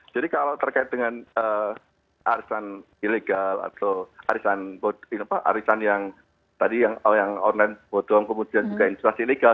kalau terkait dengan arisan ilegal atau arisan yang tadi yang online bodong kemudian juga investasi ilegal